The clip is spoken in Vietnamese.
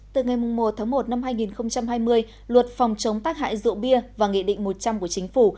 từ ngày một tháng một năm hai nghìn hai mươi luật phòng chống tác hại rượu bia và nghị định một trăm linh của chính phủ